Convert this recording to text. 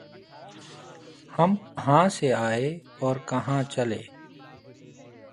ہم کہاں سے آئے اور کہاں چلے؟